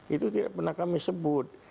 itu tidak pernah kami sebut